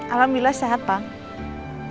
alhamdulillah sehat pak